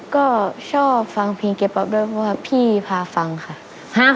ก็ชอบฟังเพลงเกียร์ป๊อปด้วยเพราะว่าพี่พาฟังค่ะ